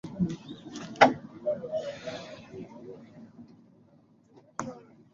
lakini unakuta mazingira ya jamii hayawapi nafasi